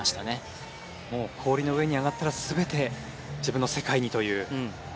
もう氷の上に上がったら全て自分の世界にという。